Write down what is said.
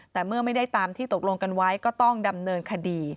แต่เมื่อไม่ได้ตามที่ตกลงกันไว้ก็ต้องดำเนินคดี